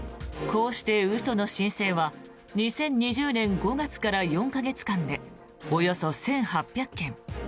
こうして嘘の申請は２０２０年５月から４か月間でおよそ１８００件。